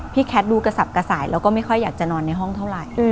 แคทดูกระสับกระสายแล้วก็ไม่ค่อยอยากจะนอนในห้องเท่าไหร่